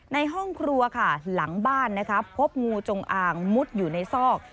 ในห้องครัวค่ะหลังบ้านนะคะพบงูจงอางมุดอยู่ในซอก